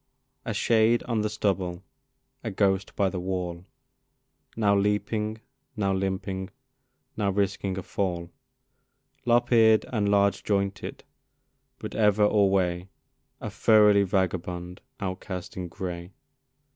A shade on the stubble, a ghost by the wall, Now leaping, now limping, now risking a fall, Lop eared and large jointed, but ever alway A thoroughly vagabond outcast in gray.